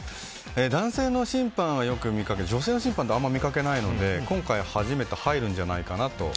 男性の審判よく見かけますけど女性の審判はあんま見かけないので今回初めて入るんじゃないかなと。